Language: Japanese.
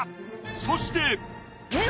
そして。